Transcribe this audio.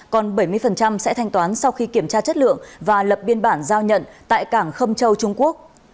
còn bảy mươi sẽ thanh toán sau khi kiểm tra chất lượng và lập biên bản giao nhận tại cảng khâm châu trung quốc